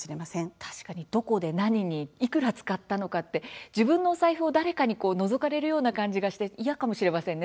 確かにどこで何にいくら使ったのか自分のお財布を誰かにのぞかれるような感じがして嫌かもしれませんね